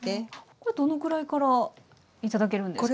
どのくらいから頂けるんですか？